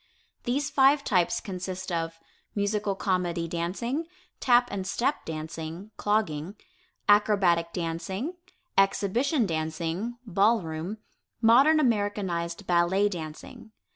These five types consist of: Musical Comedy Dancing, Tap and Step Dancing (Clogging), Acrobatic Dancing, Exhibition Dancing (Ball room), Modern Americanized Ballet Dancing.